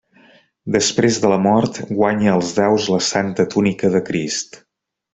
Després de la mort, guanya als daus la Santa túnica de Crist.